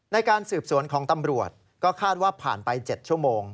ในการสืบสวนของตำรวจก็คาดว่าผ่านไป๗ชั่วโมง